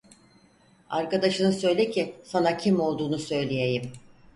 Arkadaşını söyle ki, sana kim olduğunu söyleyeyim.